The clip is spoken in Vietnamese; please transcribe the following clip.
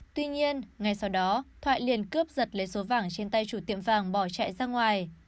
tuy nhiên ngay sau đó thoại liền cướp giật lấy số vàng trên tay chủ tiệm vàng bỏ chạy ra ngoài